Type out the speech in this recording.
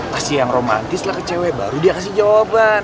kasih yang romantis lah kecewa baru dia kasih jawaban